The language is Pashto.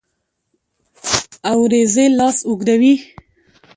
اوریځې لاس اوږدوي